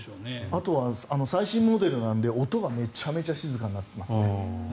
あとは最新モデルなので音がめちゃめちゃ静かになっていますね。